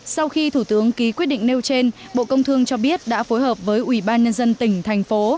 sau khi thủ tướng ký quyết định nêu trên bộ công thương cho biết đã phối hợp với ủy ban nhân dân tỉnh thành phố